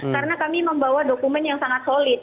karena kami membawa dokumen yang sangat solid